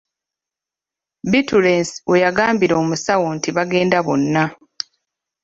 Bittulensi we yagambira omusawo nti bagende bonna